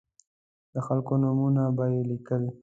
د خلکو نومونه به یې لیکل.